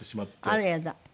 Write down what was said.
あらやだ。